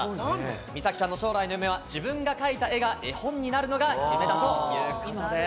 みさきちゃんの将来の夢は自分が描いた絵が絵本になるのが夢だということです。